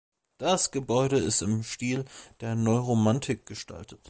Das Gebäude ist im Stil der Neuromanik gestaltet.